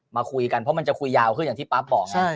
มาคุยกันเพราะมันจะคุยยาวขึ้นอย่างที่ปั๊บบอกไง